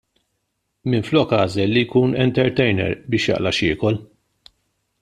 Minflok għażel li jkun entertainer biex jaqla' x'jiekol.